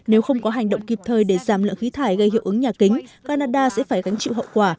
nếu không có hành động kịp thời để giảm lượng khí thải gây hiệu ứng nhà kính canada sẽ phải gánh chịu hậu quả